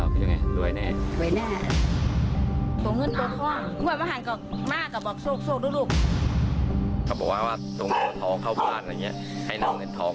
คุณหน่อยไปหั่นกับสูงลูก